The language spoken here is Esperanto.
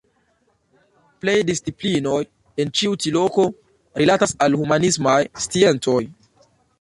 Plej disciplinoj en ĉi tiu loko rilatas al la humanismaj sciencoj.